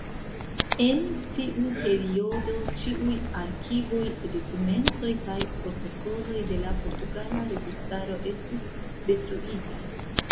En tiu periodo, ĉiuj arkivoj, dokumentoj kaj protokoloj de la portugala registaro estis detruitaj.